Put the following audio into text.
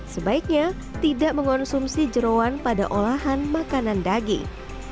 sebaiknya tidak mengonsumsi jerawan pada olahan makanan daging